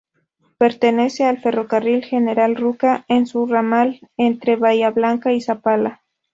Pertenece al Ferrocarril General Roca en su ramal entre Bahía Blanca y Zapala.